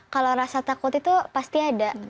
kalau rasa takut itu pasti ada